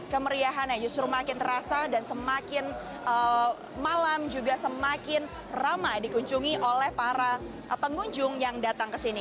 kemeriahannya justru makin terasa dan semakin malam juga semakin ramai dikunjungi oleh para pengunjung yang datang ke sini